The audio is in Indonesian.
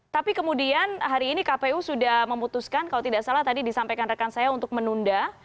tapi kemudian hari ini kpu sudah memutuskan kalau tidak salah tadi disampaikan rekan saya untuk menunda